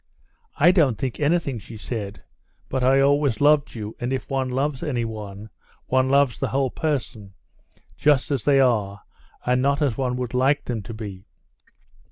"I don't think anything," she said, "but I always loved you, and if one loves anyone, one loves the whole person, just as they are and not as one would like them to be...."